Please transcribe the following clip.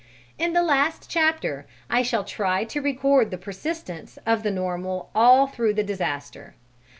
In the last chapter I shall try to record the persistence of the normal all through the disaster.